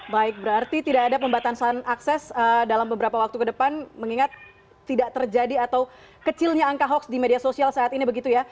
baik berarti tidak ada pembatasan akses dalam beberapa waktu ke depan mengingat tidak terjadi atau kecilnya angka hoax di media sosial saat ini begitu ya